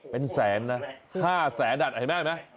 เป็นแสนนะ๕แสนดัดเห็นไหม